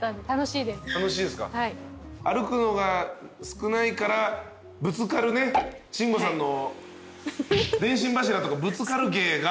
歩くのが少ないから慎吾さんの電信柱とかぶつかる芸が。